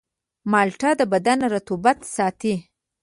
مالټه د بدن رطوبت ساتي.